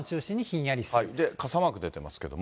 傘マーク出てますけども。